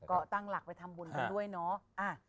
ก็ตั้งหลักไปทำบุญกันด้วยเนาะ